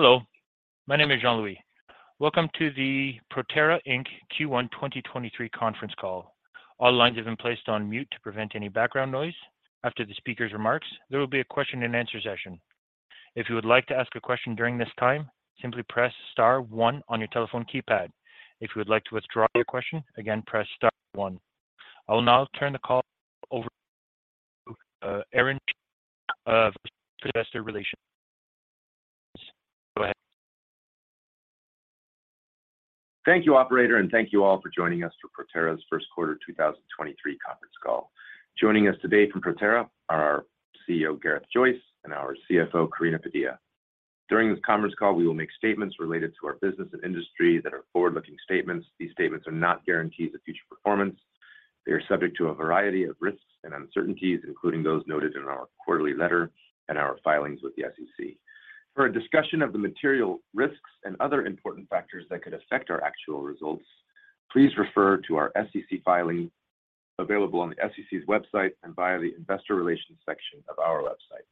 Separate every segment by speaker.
Speaker 1: Hello, my name is Jean-Louis. Welcome to the Proterra Inc. Q1 2023 Conference Call. All lines have been placed on mute to prevent any background noise. After the speaker's remarks, there will be a question and answer session. If you would like to ask a question during this time, simply Press Star one on your telephone keypad. If you would like to withdraw your question, again, Press Star one. I will now turn the call over to Aaron, investor relations. Go ahead.
Speaker 2: Thank you, operator, thank you all for joining us for Proterra's first quarter 2023 conference call. Joining us today from Proterra are our CEO, Gareth Joyce, and our CFO, Karina Padilla. During this conference call, we will make statements related to our business and industry that are forward-looking statements. These statements are not guarantees of future performance. They are subject to a variety of risks and uncertainties, including those noted in our quarterly letter and our filings with the SEC. For a discussion of the material risks and other important factors that could affect our actual results, please refer to our SEC filing available on the SEC's website and via the investor relations section of our website.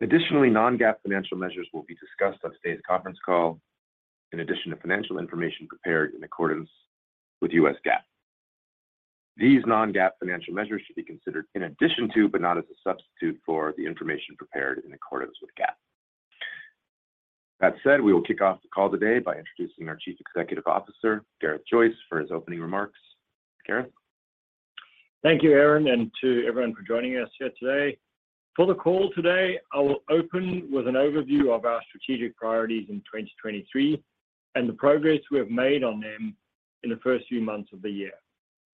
Speaker 2: Additionally, non-GAAP financial measures will be discussed on today's conference call in addition to financial information prepared in accordance with U.S. GAAP. These non-GAAP financial measures should be considered in addition to, but not as a substitute for, the information prepared in accordance with GAAP. That said, we will kick off the call today by introducing our Chief Executive Officer, Gareth Joyce, for his opening remarks. Gareth?
Speaker 3: Thank you, Aaron, and to everyone for joining us here today. For the call today, I will open with an overview of our strategic priorities in 2023 and the progress we have made on them in the first few months of the year.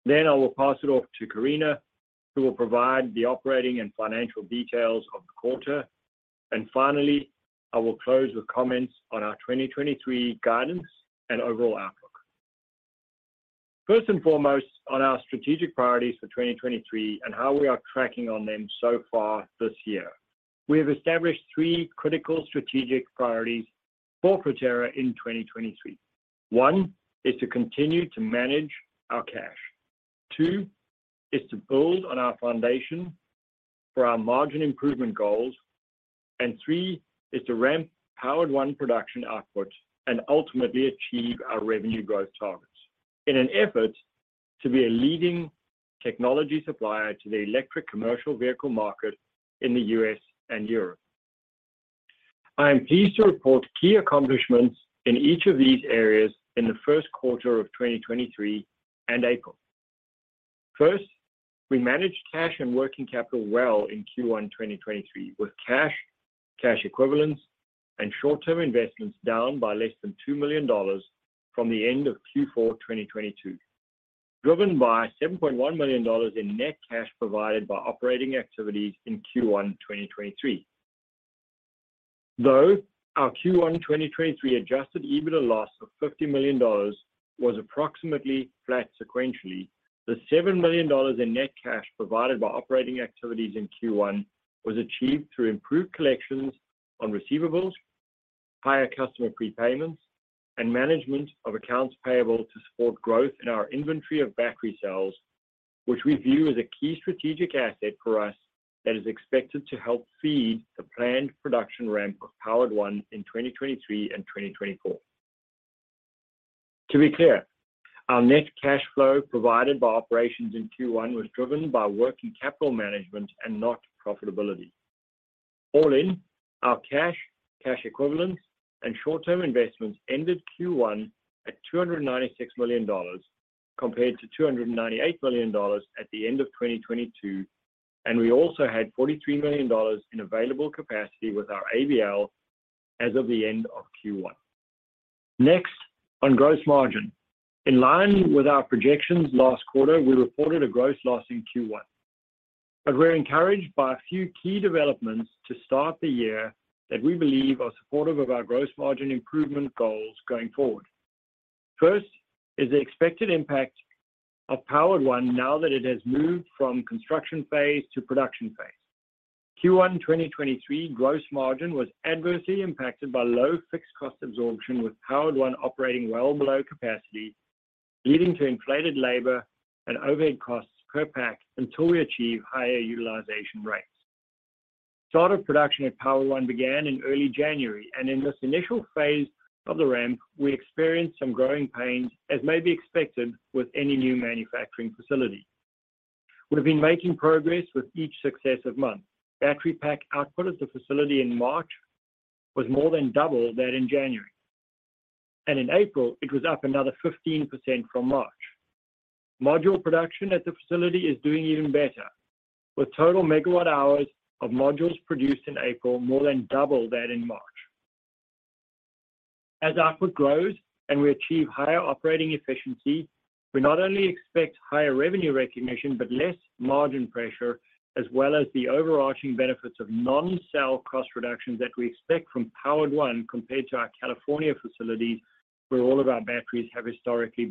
Speaker 3: I will pass it off to Karina, who will provide the operating and financial details of the quarter. Finally, I will close with comments on our 2023 guidance and overall outlook. First and foremost, on our strategic priorities for 2023 and how we are tracking on them so far this year. We have established three critical strategic priorities for Proterra in 2023. One is to continue to manage our cash. Two is to build on our foundation for our margin improvement goals. Three is to ramp powered 1 production output and ultimately achieve our revenue growth targets in an effort to be a leading technology supplier to the electric commercial vehicle market in the U.S. and Europe. I am pleased to report key accomplishments in each of these areas in the first quarter of 2023 and April. First, we managed cash and working capital well in Q1 2023, with cash equivalents, and short-term investments down by less than $2 million from the end of Q4 2022, driven by $7.1 million in net cash provided by operating activities in Q1 2023. Our Q1 2023 adjusted EBITDA loss of $50 million was approximately flat sequentially, the $7 million in net cash provided by operating activities in Q1 was achieved through improved collections on receivables, higher customer prepayments, and management of accounts payable to support growth in our inventory of battery cells, which we view as a key strategic asset for us that is expected to help feed the planned production ramp of Powered 1 in 2023 and 2024. To be clear, our net cash flow provided by operations in Q1 was driven by working capital management and not profitability. All in, our cash equivalents, and short-term investments ended Q1 at $296 million compared to $298 million at the end of 2022. We also had $43 million in available capacity with our ABL as of the end of Q1. Next, on gross margin. In line with our projections last quarter, we reported a gross loss in Q1. We're encouraged by a few key developments to start the year that we believe are supportive of our gross margin improvement goals going forward. First is the expected impact of powered 1 now that it has moved from construction phase to production phase. Q1 2023 gross margin was adversely impacted by low fixed cost absorption with powered 1 operating well below capacity, leading to inflated labor and overhead costs per pack until we achieve higher utilization rates. Start of production at Powered 1 began in early January, and in this initial phase of the ramp, we experienced some growing pains as may be expected with any new manufacturing facility. We have been making progress with each successive month. Battery pack output at the facility in March was more than double that in January. In April, it was up another 15% from March. Module production at the facility is doing even better, with total megawatt-hours of modules produced in April more than double that in March. As output grows and we achieve higher operating efficiency, we not only expect higher revenue recognition, but less margin pressure, as well as the overarching benefits of non-cell cost reductions that we expect from powered 1 compared to our California facility where all of our batteries have historically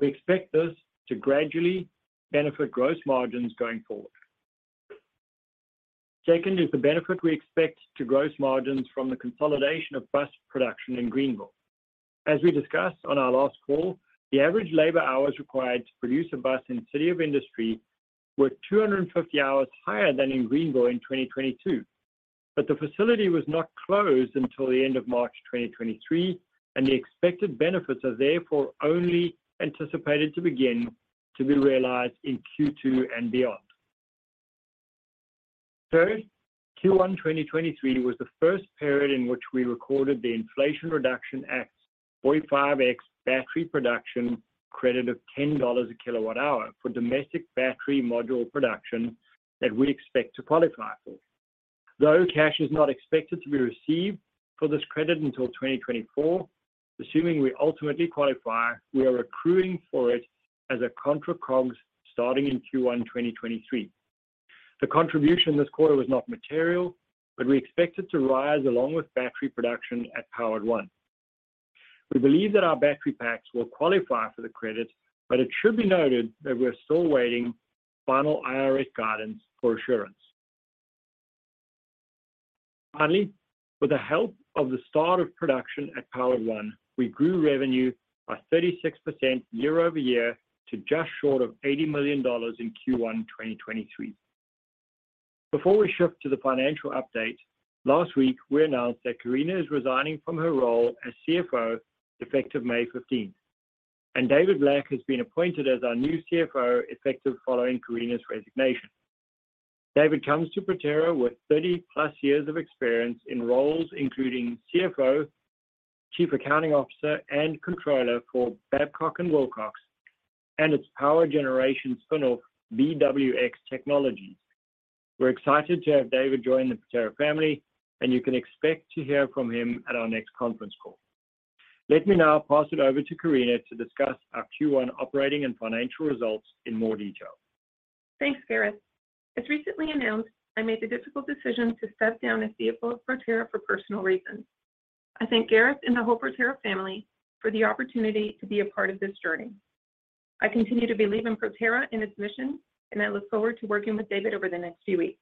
Speaker 3: been produced. We expect this to gradually benefit gross margins going forward. Second is the benefit we expect to gross margins from the consolidation of bus production in Greenville. As we discussed on our last call, the average labor hours required to produce a bus in City of Industry were 250 hours higher than in Greenville in 2022. The facility was not closed until the end of March 2023, and the expected benefits are therefore only anticipated to begin to be realized in Q2 and beyond. Third, Q1 2023 was the first period in which we recorded the Inflation Reduction Act's 45X battery production credit of $10 a kilowatt-hour for domestic battery module production that we expect to qualify for. Though cash is not expected to be received for this credit until 2024, assuming we ultimately qualify, we are accruing for it as a contra COGS starting in Q1 2023. The contribution this quarter was not material, but we expect it to rise along with battery production at powered 1. We believe that our battery packs will qualify for the credit, but it should be noted that we're still waiting final IRS guidance for assurance. Finally, with the help of the start of production at Powered 1, we grew revenue by 36% year-over-year to just short of $80 million in Q1 2023. Before we shift to the financial update, last week we announced that Karina is resigning from her role as CFO, effective May 15th, and David Black has been appointed as our new CFO, effective following Karina's resignation. David comes to Proterra with 30+ years of experience in roles including CFO, chief accounting officer, and controller for Babcock & Wilcox and its power generation spinoff, BWX Technologies. We're excited to have David join the Proterra family, and you can expect to hear from him at our next conference call. Let me now pass it over to Karina to discuss our Q1 operating and financial results in more detail.
Speaker 4: Thanks, Gareth. As recently announced, I made the difficult decision to step down as CFO of Proterra for personal reasons. I thank Gareth and the whole Proterra family for the opportunity to be a part of this journey. I continue to believe in Proterra and its mission. I look forward to working with David over the next few weeks.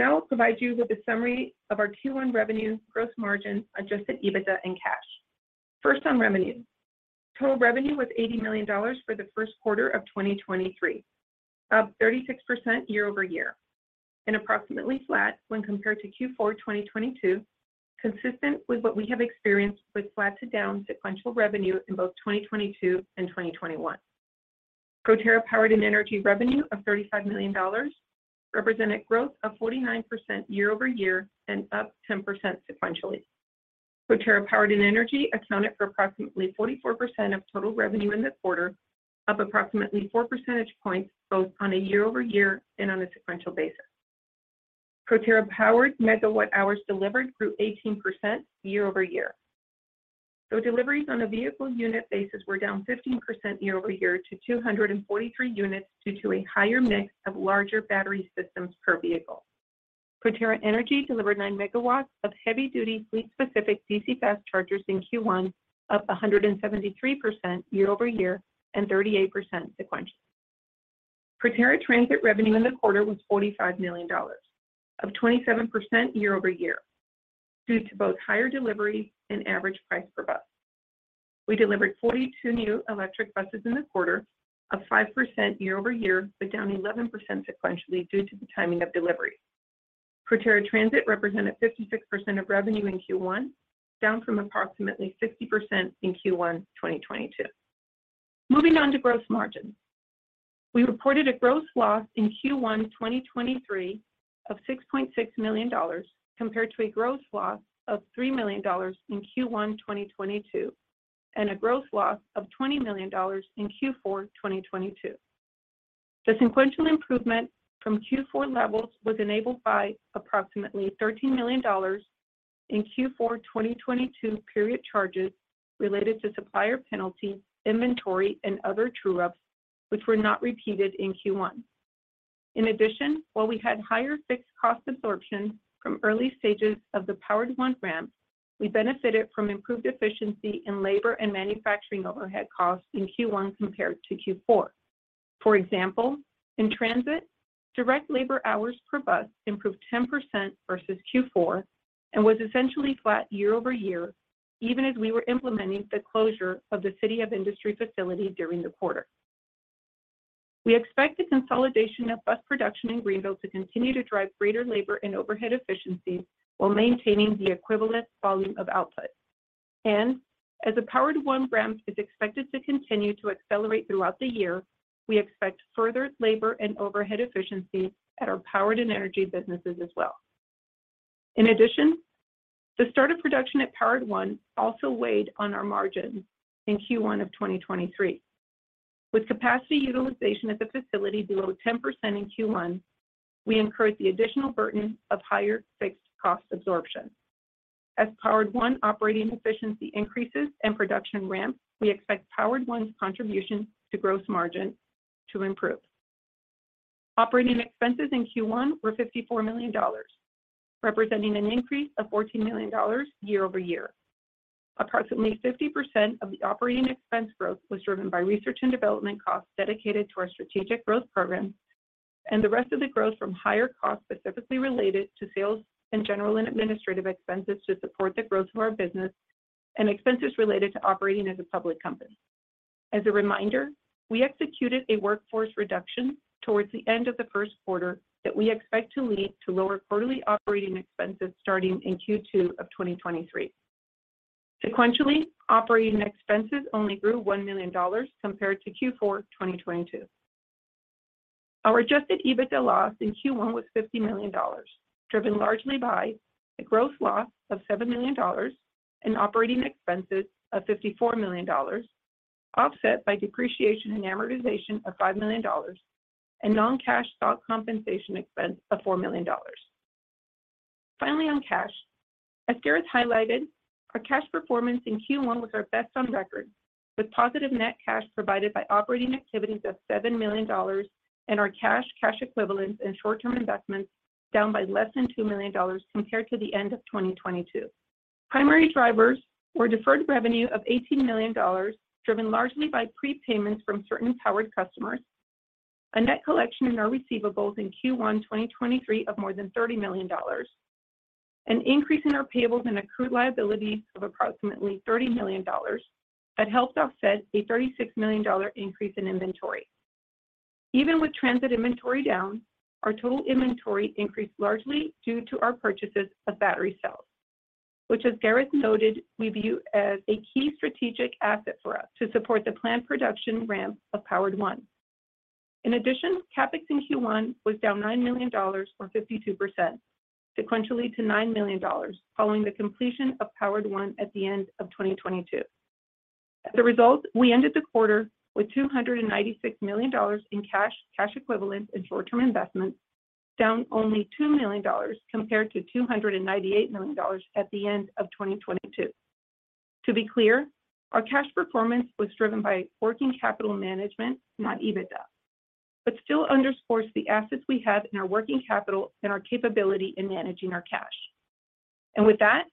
Speaker 4: I'll provide you with a summary of our Q1 revenue, gross margin, adjusted EBITDA, and cash. On revenue. Total revenue was $80 million for the first quarter of 2023, up 36% year-over-year and approximately flat when compared to Q4 2022, consistent with what we have experienced with flat to down sequential revenue in both 2022 and 2021. Proterra Powered and Energy revenue of $35 million represented growth of 49% year-over-year and up 10% sequentially. Proterra Powered and Energy accounted for approximately 44% of total revenue in the quarter, up approximately 4 percentage points, both on a year-over-year and on a sequential basis. Proterra Powered megawatt-hours delivered grew 18% year-over-year, though deliveries on a vehicle unit basis were down 15% year-over-year to 243 units due to a higher mix of larger battery systems per vehicle. Proterra Energy delivered 9 megawatts of heavy-duty fleet-specific DC fast chargers in Q1, up 173% year-over-year and 38% sequentially. Proterra Transit revenue in the quarter was $45 million, up 27% year-over-year due to both higher delivery and average price per bus. We delivered 42 new electric buses in the quarter, up 5% year-over-year, but down 11% sequentially due to the timing of delivery. Proterra Transit represented 56% of revenue in Q1, down from approximately 50% in Q1 2022. Moving on to gross margin. We reported a gross loss in Q1 2023 of $6.6 million, compared to a gross loss of $3 million in Q1 2022 and a gross loss of $20 million in Q4 2022. The sequential improvement from Q4 levels was enabled by approximately $13 million in Q4 2022 period charges related to supplier penalties, inventory, and other true-ups which were not repeated in Q1. While we had higher fixed cost absorption from early stages of the Powered 1 ramp, we benefited from improved efficiency in labor and manufacturing overhead costs in Q1 compared to Q4. In Transit, direct labor hours per bus improved 10% versus Q4 and was essentially flat year-over-year, even as we were implementing the closure of the City of Industry facility during the quarter. We expect the consolidation of bus production in Greenville to continue to drive greater labor and overhead efficiency while maintaining the equivalent volume of output. As the Powered 1 ramp is expected to continue to accelerate throughout the year, we expect further labor and overhead efficiencies at our Powered and Energy businesses as well. The start of production at Powered 1 also weighed on our margins in Q1 of 2023. With capacity utilization at the facility below 10% in Q1, we incurred the additional burden of higher fixed cost absorption. As Powered 1 operating efficiency increases and production ramps, we expect Powered 1's contribution to gross margin to improve. Operating expenses in Q1 were $54 million, representing an increase of $14 million year-over-year. Approximately 50% of the operating expense growth was driven by R&D costs dedicated to our strategic growth programs. The rest of the growth from higher costs specifically related to sales and general and administrative expenses to support the growth of our business, and expenses related to operating as a public company. As a reminder, we executed a workforce reduction towards the end of the first quarter that we expect to lead to lower quarterly operating expenses starting in Q2 of 2023. Sequentially, operating expenses only grew $1 million compared to Q4 2022. Our adjusted EBITDA loss in Q1 was $50 million, driven largely by a gross loss of $7 million and operating expenses of $54 million, offset by depreciation and amortization of $5 million and non-cash stock compensation expense of $4 million. On cash, as Gareth highlighted, our cash performance in Q1 was our best on record, with positive net cash provided by operating activities of $7 million and our cash equivalents and short term investments down by less than $2 million compared to the end of 2022. Primary drivers were deferred revenue of $18 million, driven largely by prepayments from certain Powered customers, a net collection in our receivables in Q1 2023 of more than $30 million, an increase in our payables and accrued liabilities of approximately $30 million that helped offset a $36 million increase in inventory. Even with transit inventory down, our total inventory increased largely due to our purchases of battery cells, which as Gareth noted, we view as a key strategic asset for us to support the planned production ramp of Powered 1. CapEx in Q1 was down $9 million or 52% sequentially to $9 million following the completion of Powered 1 at the end of 2022. As a result, we ended the quarter with $296 million in cash equivalents and short term investments, down only $2 million compared to $298 million at the end of 2022. To be clear, our cash performance was driven by working capital management, not EBITDA, but still underscores the assets we have in our working capital and our capability in managing our cash. With that,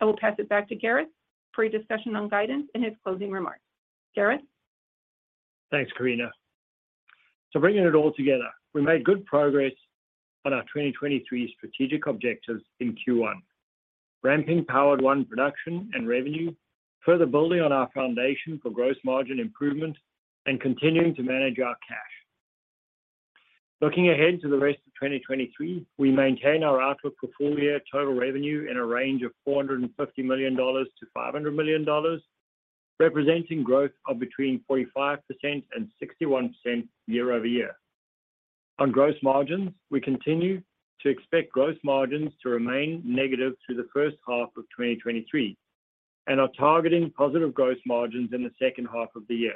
Speaker 4: I will pass it back to Gareth for a discussion on guidance and his closing remarks. Gareth?
Speaker 3: Thanks, Karina. Bringing it all together, we made good progress on our 2023 strategic objectives in Q1, ramping powered 1 production and revenue, further building on our foundation for gross margin improvement, and continuing to manage our cash. Looking ahead to the rest of 2023, we maintain our outlook for full year total revenue in a range of $450 million-$500 million, representing growth of between 45% and 61% year-over-year. On gross margins, we continue to expect gross margins to remain negative through the first half of 2023 and are targeting positive gross margins in the second half of the year.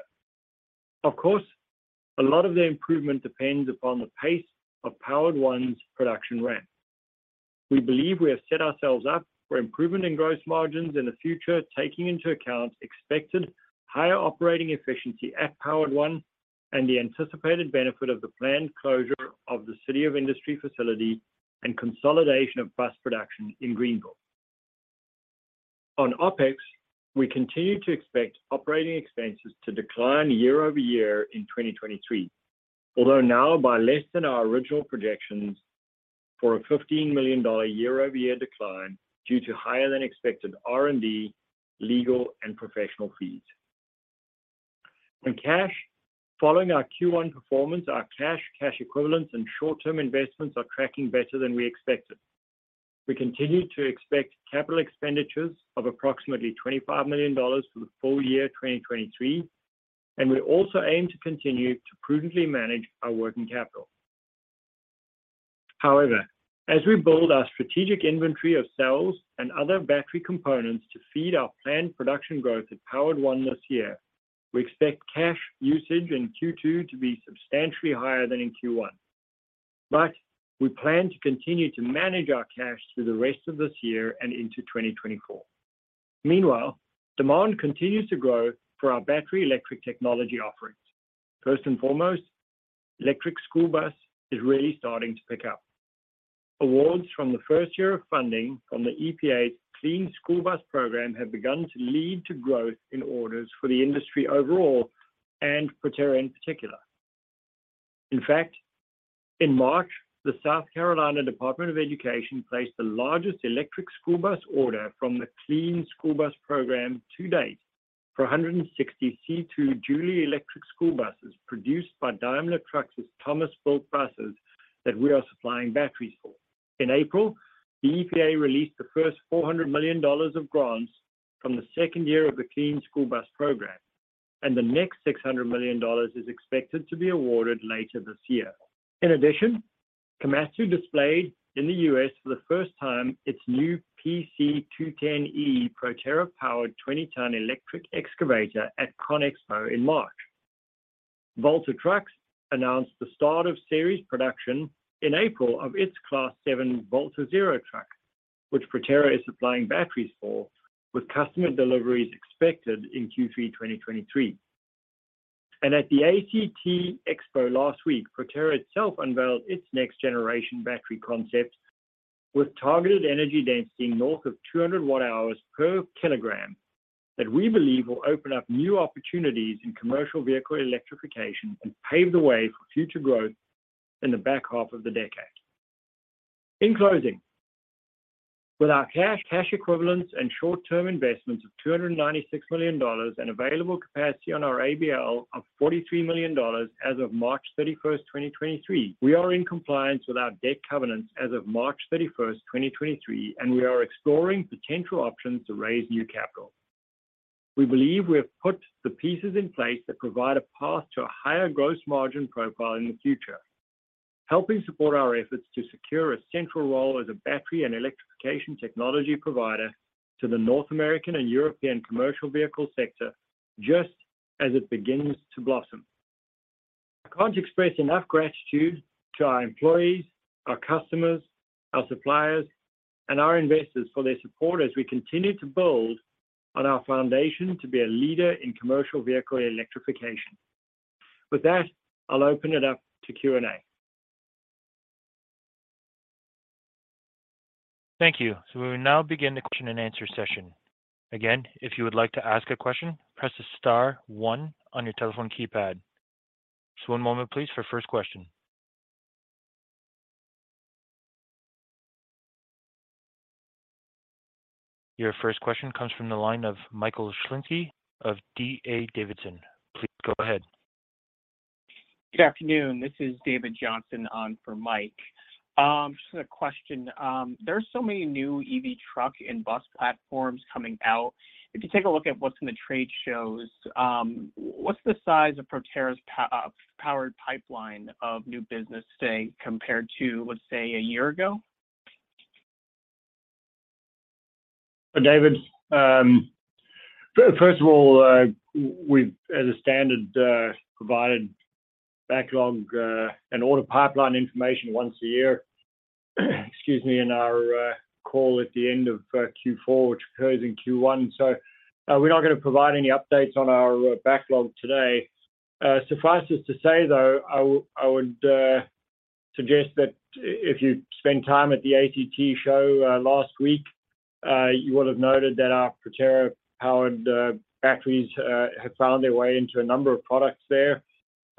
Speaker 3: Of course, a lot of the improvement depends upon the pace of powered 1's production ramp. We believe we have set ourselves up for improvement in gross margins in the future, taking into account expected higher operating efficiency at Powered 1 and the anticipated benefit of the planned closure of the City of Industry facility and consolidation of bus production in Greenville. On OpEx, we continue to expect operating expenses to decline year-over-year in 2023, although now by less than our original projections for a $15 million year-over-year decline due to higher than expected R&D, legal, and professional fees. On cash, following our Q1 performance, our cash equivalents, and short term investments are tracking better than we expected. We continue to expect capital expenditures of approximately $25 million for the full year 2023, and we also aim to continue to prudently manage our working capital. However, as we build our strategic inventory of cells and other battery components to feed our planned production growth at Powered 1 this year, we expect cash usage in Q2 to be substantially higher than in Q1. We plan to continue to manage our cash through the rest of this year and into 2024. Meanwhile, demand continues to grow for our battery electric technology offerings. First and foremost, electric school bus is really starting to pick up. Awards from the first year of funding from the EPA's Clean School Bus program have begun to lead to growth in orders for the industry overall and Proterra in particular. In March, the South Carolina Department of Education placed the largest electric school bus order from the Clean School Bus program to date for 160 Saf-T-Liner C2 Jouley electric school buses produced by Daimler Trucks' Thomas Built Buses that we are supplying batteries for. In April, the EPA released the first $400 million of grants from the second year of the Clean School Bus program, the next $600 million is expected to be awarded later this year. Komatsu displayed in the U.S. for the first time its new PC210E Proterra Powered 20-ton electric excavator at Conexpo in March. Volta Trucks announced the start of series production in April of its Class seven Volta Zero truck, which Proterra is supplying batteries for, with customer deliveries expected in Q3 2023. At the ACT Expo last week, Proterra itself unveiled its next generation battery concept. With targeted energy density north of 200 kWh that we believe will open up new opportunities in commercial vehicle electrification and pave the way for future growth in the back half of the decade. In closing, with our cash equivalents, and short-term investments of $296 million and available capacity on our ABL of $43 million as of 31st March 2023, we are in compliance with our debt covenants as of 31st March 2023, and we are exploring potential options to raise new capital. We believe we have put the pieces in place that provide a path to a higher gross margin profile in the future, helping support our efforts to secure a central role as a battery and electrification technology provider to the North American and European commercial vehicle sector just as it begins to blossom. I can't express enough gratitude to our employees, our customers, our suppliers, and our investors for their support as we continue to build on our foundation to be a leader in commercial vehicle electrification. With that, I'll open it up to Q&A.
Speaker 1: Thank you. We will now begin the question and answer session. Again, if you would like to ask a question, press star one on your telephone keypad. Just one moment please for first question. Your first question comes from the line of Michael Shlisky of D.A. Davidson. Please go ahead.
Speaker 5: Good afternoon. This is David Johnson on for Mike. Just a question. There are so many new EV truck and bus platforms coming out. If you take a look at what's in the trade shows, what's the size of Proterra's Powered pipeline of new business today compared to, let's say, a year ago?
Speaker 3: David, first of all, we as a standard, provided backlog and order pipeline information once a year, excuse me, in our call at the end of Q4, which occurs in Q1. We're not gonna provide any updates on our backlog today. Suffice it to say, though, I would suggest that if you spent time at the ACT Expo, last week, you would have noted that our Proterra Powered batteries have found their way into a number of products there.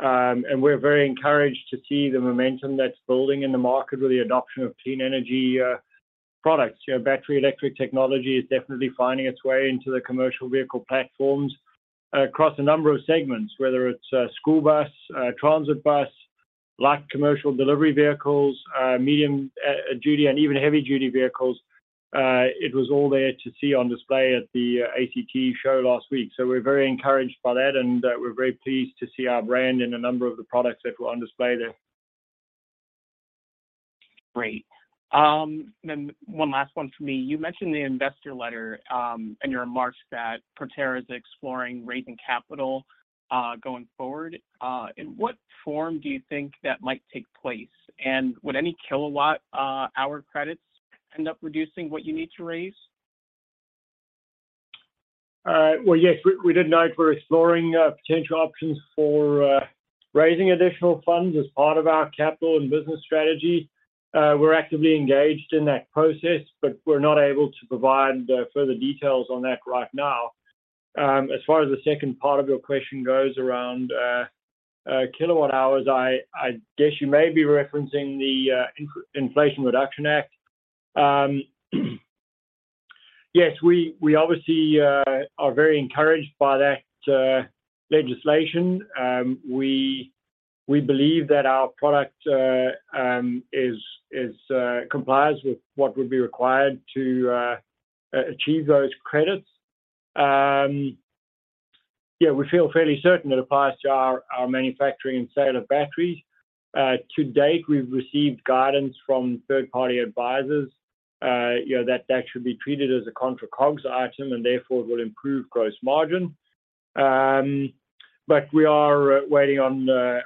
Speaker 3: We're very encouraged to see the momentum that's building in the market with the adoption of clean energy products. You know, battery electric technology is definitely finding its way into the commercial vehicle platforms across a number of segments, whether it's school bus, transit bus, light commercial delivery vehicles, medium duty, and even heavy duty vehicles. It was all there to see on display at the ACT Expo last week. We're very encouraged by that, and we're very pleased to see our brand in a number of the products that were on display there.
Speaker 5: Great. One last one for me. You mentioned the investor letter, in your remarks that Proterra is exploring raising capital, going forward. In what form do you think that might take place? Would any kilowatt-hour credits end up reducing what you need to raise?
Speaker 3: Well, yes, we did note we're exploring potential options for raising additional funds as part of our capital and business strategy. We're actively engaged in that process, but we're not able to provide further details on that right now. As far as the second part of your question goes around kilowatt-hours, I guess you may be referencing the Inflation Reduction Act. Yes, we obviously are very encouraged by that legislation. We believe that our product is complies with what would be required to achieve those credits. Yeah, we feel fairly certain it applies to our manufacturing and sale of batteries. To date, we've received guidance from third-party advisors, you know, that that should be treated as a contra COGS item and therefore will improve gross margin. We are waiting on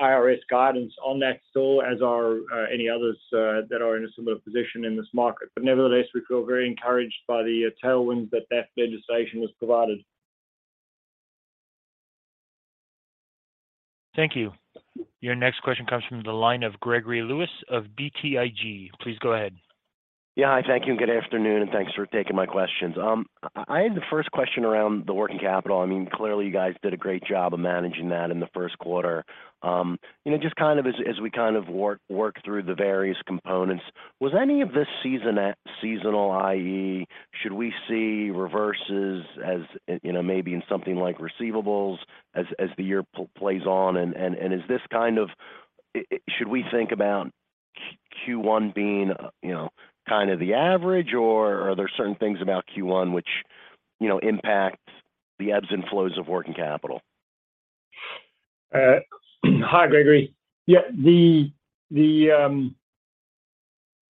Speaker 3: IRS guidance on that still, as are any others that are in a similar position in this market. Nevertheless, we feel very encouraged by the tailwinds that that legislation has provided. Thank you. Your next question comes from the line of Gregory Lewis of BTIG. Please go ahead.
Speaker 6: Yeah. Hi. Thank you, and good afternoon, and thanks for taking my questions. I had the first question around the working capital. I mean, clearly, you guys did a great job of managing that in the first quarter. You know, just kind of as we kind of work through the various components, was any of this season, seasonal, i.e., should we see reverses as, you know, maybe in something like receivables as the year plays on? Should we think about Q1 being, you know, kind of the average, or are there certain things about Q1 which, you know, impact the ebbs and flows of working capital?
Speaker 3: Hi, Gregory. The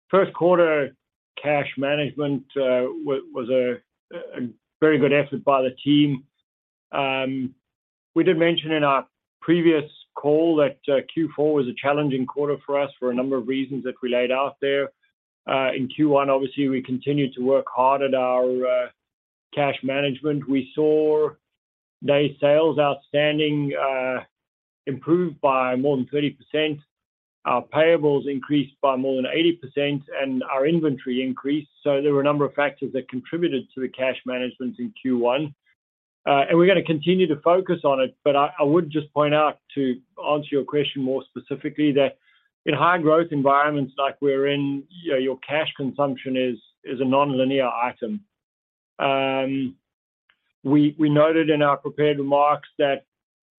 Speaker 3: first quarter cash management was a very good effort by the team. We did mention in our previous call that Q4 was a challenging quarter for us for a number of reasons that we laid out there. In Q1, obviously, we continued to work hard at our cash management. We saw days sales outstanding improved by more than 30%. Our payables increased by more than 80% and our inventory increased. There were a number of factors that contributed to the cash management in Q1. We're gonna continue to focus on it, but I would just point out, to answer your question more specifically, that in high growth environments like we're in, you know, your cash consumption is a nonlinear item. We noted in our prepared remarks that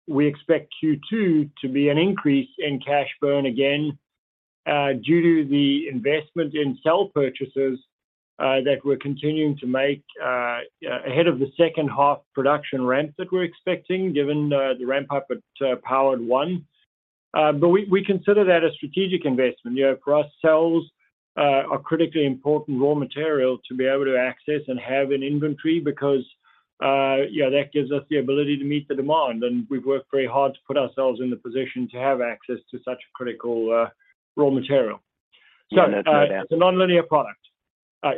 Speaker 3: we expect Q2 to be an increase in cash burn again, due to the investment in cell purchases that we're continuing to make ahead of the second half production ramp that we're expecting given the ramp up at Powered 1. We consider that a strategic investment. You know, for us, cells are critically important raw material to be able to access and have in inventory because, you know, that gives us the ability to meet the demand, and we've worked very hard to put ourselves in the position to have access to such a critical raw material.
Speaker 6: Yeah, no doubt.
Speaker 3: It's a nonlinear product.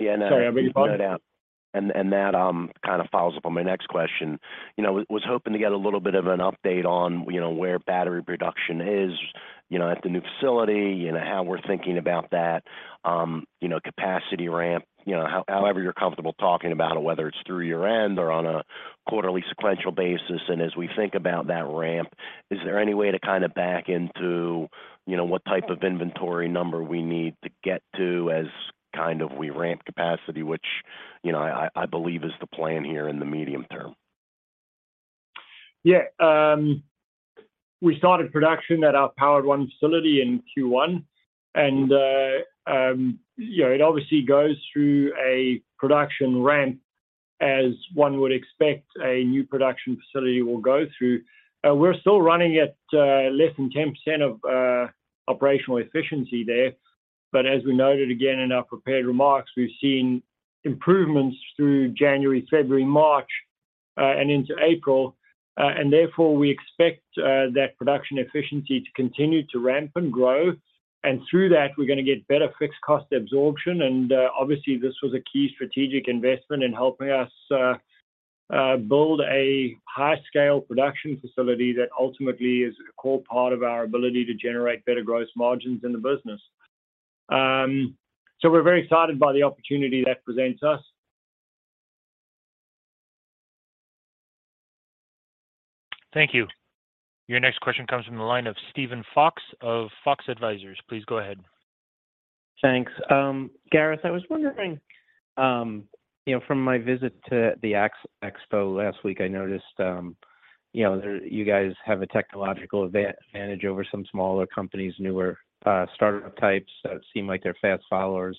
Speaker 6: Yeah, no.
Speaker 3: Sorry, I beg your pardon?
Speaker 6: No doubt. That kind of follows up on my next question. You know, was hoping to get a little bit of an update on, you know, where battery production is, you know, at the new facility, you know, how we're thinking about that, you know, capacity ramp. You know, however you're comfortable talking about it, whether it's through year-end or on a quarterly sequential basis. As we think about that ramp, is there any way to kind of back into, you know, what type of inventory number we need to get to as kind of we ramp capacity, which, you know, I believe is the plan here in the medium term?
Speaker 3: Yeah. We started production at our Powered 1 facility in Q1, you know, it obviously goes through a production ramp as one would expect a new production facility will go through. We're still running at less than 10% of operational efficiency there. As we noted again in our prepared remarks, we've seen improvements through January, February, March, and into April. Therefore, we expect that production efficiency to continue to ramp and grow. Through that, we're gonna get better fixed cost absorption. Obviously, this was a key strategic investment in helping us build a high-scale production facility that ultimately is a core part of our ability to generate better gross margins in the business. We're very excited by the opportunity that presents us.
Speaker 1: Thank you. Your next question comes from the line of Steven Fox of Fox Advisors. Please go ahead.
Speaker 7: Thanks. Gareth, I was wondering, you know, from my visit to the ACT Expo last week, I noticed, you know, you guys have a technological advantage over some smaller companies, newer, startup types that seem like they're fast followers.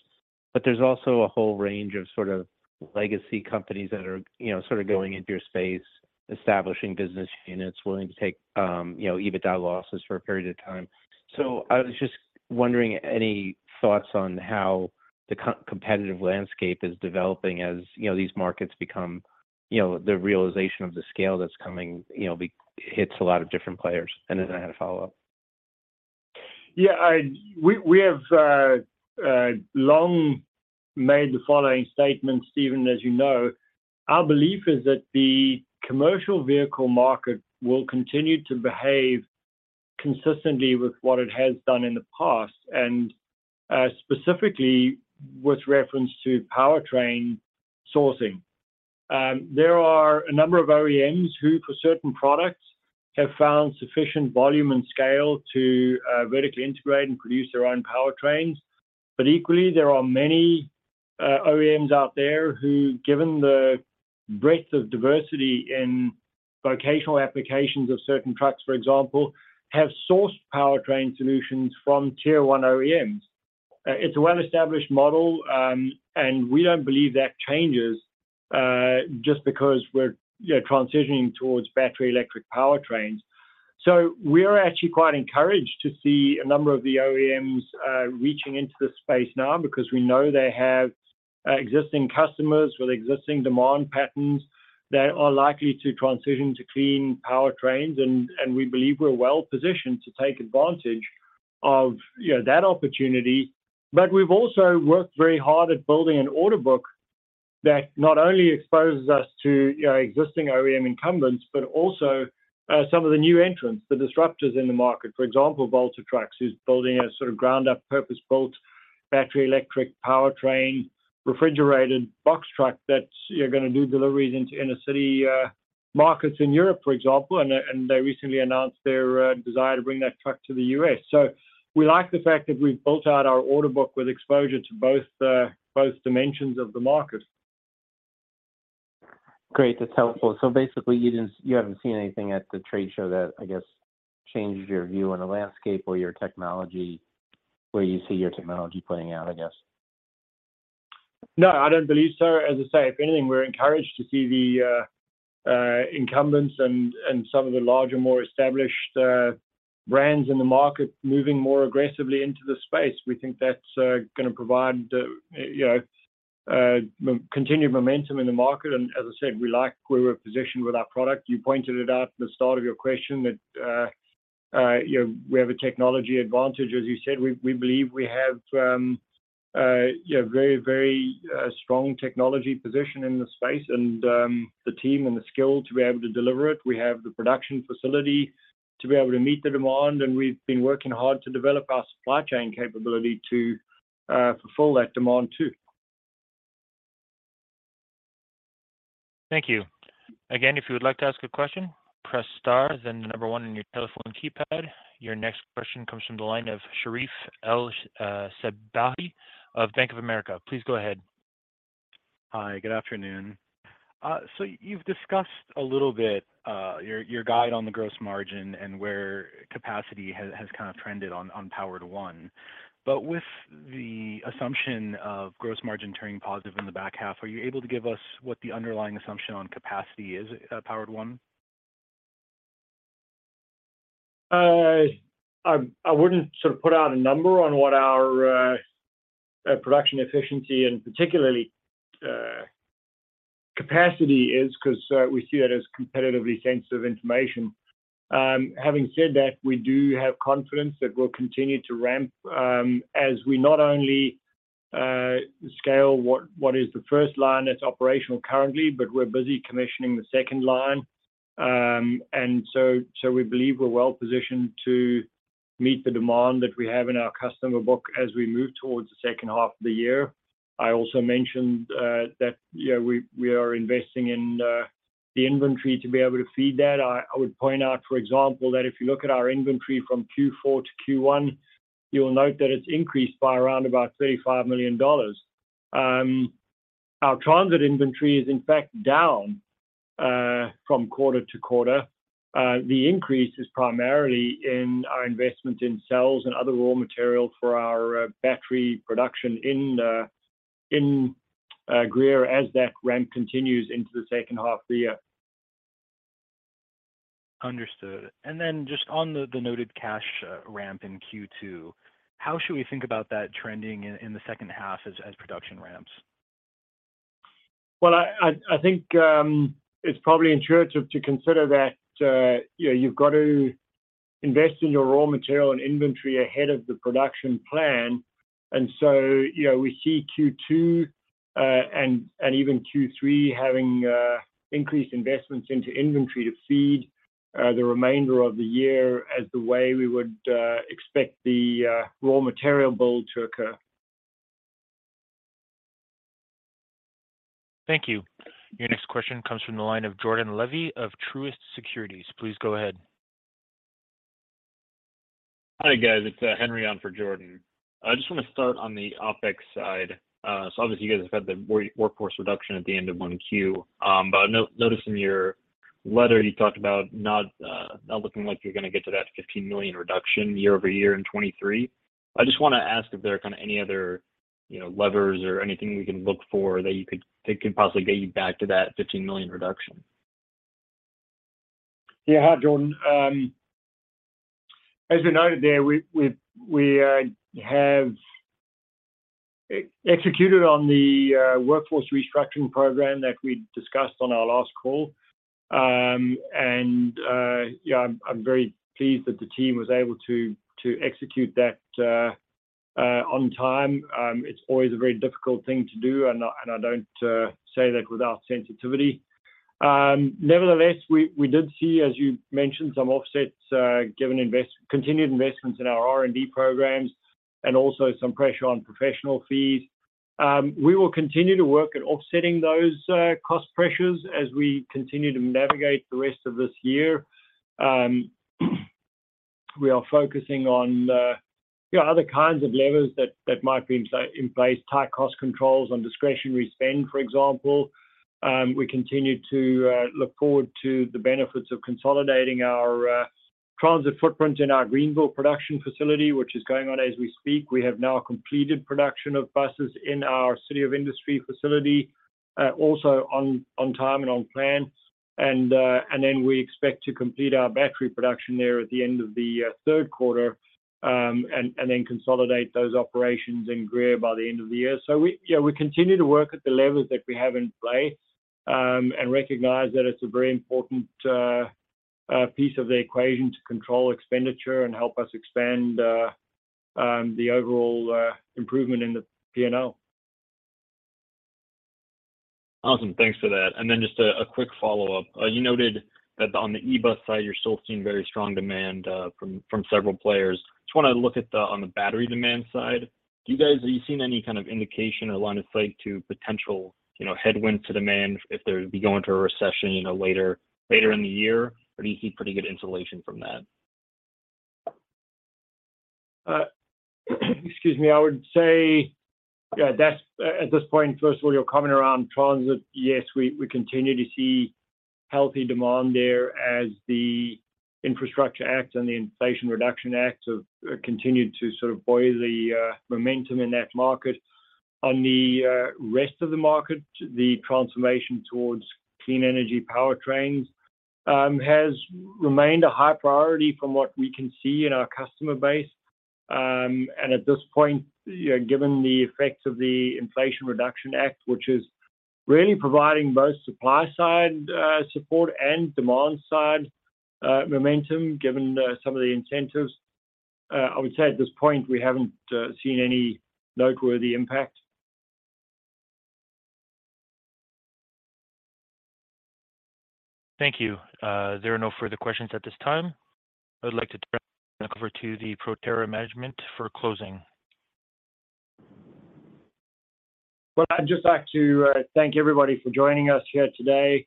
Speaker 7: There's also a whole range of sort of legacy companies that are, you know, sort of going into your space, establishing business units, willing to take, you know, EBITDA losses for a period of time. I was just wondering, any thoughts on how the competitive landscape is developing as, you know, these markets become, you know, the realization of the scale that's coming, you know, hits a lot of different players. Then I had a follow-up.
Speaker 3: Yeah. We have long made the following statement, Steven, as you know. Our belief is that the commercial vehicle market will continue to behave consistently with what it has done in the past, and specifically with reference to powertrain sourcing. There are a number of OEMs who, for certain products, have found sufficient volume and scale to vertically integrate and produce their own powertrains. Equally, there are many OEMs out there who, given the breadth of diversity in vocational applications of certain trucks, for example, have sourced powertrain solutions from Tier 1 OEMs. It's a well-established model, and we don't believe that changes just because we're, you know, transitioning towards battery electric powertrains. We are actually quite encouraged to see a number of the OEMs reaching into this space now because we know they have existing customers with existing demand patterns that are likely to transition to clean powertrains and we believe we're well-positioned to take advantage of, you know, that opportunity. We've also worked very hard at building an order book that not only exposes us to, you know, existing OEM incumbents, but also some of the new entrants, the disruptors in the market. For example, Volta Trucks, who's building a sort of ground up purpose-built battery electric powertrain refrigerated box truck that's, you know, gonna do deliveries into inner-city markets in Europe, for example. They recently announced their desire to bring that truck to the U.S. We like the fact that we've built out our order book with exposure to both dimensions of the market.
Speaker 7: Great. That's helpful. Basically, you haven't seen anything at the trade show that, I guess, changed your view on the landscape or your technology, where you see your technology playing out, I guess?
Speaker 3: No, I don't believe so. As I say, if anything, we're encouraged to see the incumbents and some of the larger, more established brands in the market moving more aggressively into the space. We think that's gonna provide, you know, continued momentum in the market. As I said, we like where we're positioned with our product. You pointed it out at the start of your question that, you know, we have a technology advantage, as you said. We, we believe we have, you know, very, very strong technology position in the space and the team and the skill to be able to deliver it. We have the production facility to be able to meet the demand, and we've been working hard to develop our supply chain capability to fulfill that demand too.
Speaker 1: Thank you. Again, if you would like to ask a question, press star, then the number one on your telephone keypad. Your next question comes from the line of Sherif El-Sabbahy of Bank of America. Please go ahead.
Speaker 8: Hi, good afternoon. You've discussed a little bit, your guide on the gross margin and where capacity has kind of trended on Powered 1. With the assumption of gross margin turning positive in the back half, are you able to give us what the underlying assumption on capacity is at Powered 1?
Speaker 3: I wouldn't sort of put out a number on what our production efficiency and particularly capacity is, 'cause we see that as competitively sensitive information. Having said that, we do have confidence that we'll continue to ramp as we not only scale what is the first line that's operational currently, but we're busy commissioning the second line. So we believe we're well-positioned to meet the demand that we have in our customer book as we move towards the second half of the year. I also mentioned that, you know, we are investing in the inventory to be able to feed that. I would point out, for example, that if you look at our inventory from Q4 to Q1, you'll note that it's increased by around about $35 million. Our transit inventory is in fact down from quarter to quarter. The increase is primarily in our investment in cells and other raw material for our battery production in Greer as that ramp continues into the second half of the year.
Speaker 8: Understood. Just on the noted cash ramp in Q2, how should we think about that trending in the second half as production ramps?
Speaker 3: Well, I think, it's probably intuitive to consider that, you know, you've got to invest in your raw material and inventory ahead of the production plan. You know, we see Q2, and even Q3 having, increased investments into inventory to feed, the remainder of the year as the way we would, expect the, raw material build to occur.
Speaker 1: Thank you. Your next question comes from the line of Jordan Levy of Truist Securities. Please go ahead.
Speaker 9: Hi, guys. It's Henry on for Jordan. I just wanna start on the OpEx side. Obviously you guys have had the workforce reduction at the end of 1Q. I noticed in your letter you talked about not looking like you're gonna get to that $15 million reduction year-over-year in 2023. I just wanna ask if there are kinda any other, you know, levers or anything we can look for that could possibly get you back to that $15 million reduction?
Speaker 3: Yeah. Hi, Jordan. As we noted there, we have executed on the workforce restructuring program that we discussed on our last call. You know, I'm very pleased that the team was able to execute that on time. It's always a very difficult thing to do and I, and I don't say that without sensitivity. We did see, as you mentioned, some offsets, given continued investments in our R&D programs and also some pressure on professional fees. We will continue to work at offsetting those cost pressures as we continue to navigate the rest of this year. We are focusing on, you know, other kinds of levers that might be in place, tight cost controls on discretionary spend, for example. We continue to look forward to the benefits of consolidating our transit footprint in our Greenville production facility, which is going on as we speak. We have now completed production of buses in our city of industry facility, also on time and on plan. Then we expect to complete our battery production there at the end of the third quarter, and then consolidate those operations in Greer by the end of the year. We, you know, we continue to work at the levels that we have in play, and recognize that it's a very important piece of the equation to control expenditure and help us expand the overall improvement in the P&L.
Speaker 9: Awesome. Thanks for that. Just a quick follow-up. You noted that on the E-bus side, you're still seeing very strong demand from several players. Just wanna look at the on the battery demand side. You guys, are you seeing any kind of indication or line of sight to potential, you know, headwinds to demand if there's going through a recession, you know, later in the year? Or do you see pretty good insulation from that?
Speaker 3: Excuse me. I would say, yeah, that's at this point, first of all, your comment around transit, yes, we continue to see healthy demand there as the Infrastructure Act and the Inflation Reduction Act have continued to sort of buoy the momentum in that market. On the rest of the market, the transformation towards clean energy powertrains has remained a high priority from what we can see in our customer base. At this point, you know, given the effects of the Inflation Reduction Act, which is really providing both supply side support and demand side momentum, given some of the incentives, I would say at this point, we haven't seen any noteworthy impact.
Speaker 1: Thank you. There are no further questions at this time. I'd like to turn now over to the Proterra management for closing.
Speaker 3: Well, I'd just like to thank everybody for joining us here today.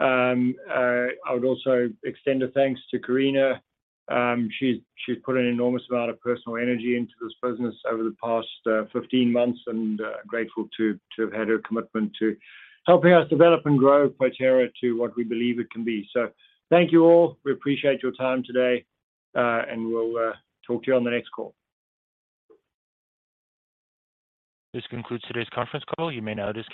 Speaker 3: I would also extend a thanks to Karina. She's put an enormous amount of personal energy into this business over the past 15 months, and grateful to have had her commitment to helping us develop and grow Proterra to what we believe it can be. Thank you all. We appreciate your time today, and we'll talk to you on the next call.
Speaker 1: This concludes today's Conference Call. You may now disconnect.